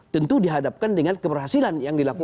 tentu dihadapkan dengan keberhasilan